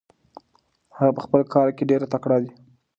هغه په خپل کار کې ډېر تکړه دی.